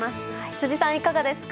辻さん、いかがですか。